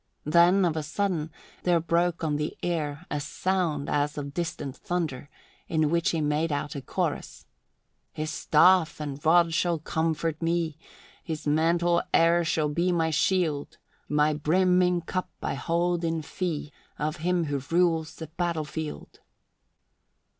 Then, of a sudden, there broke on the air a sound as of distant thunder, in which he made out a chorus: "His staff and rod shall comfort me, His mantle e'er shall be my shield; My brimming cup I hold in fee Of him who rules the battlefield."